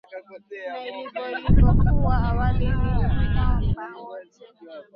na ilivyo ilivyokuwa awali ni kwamba wote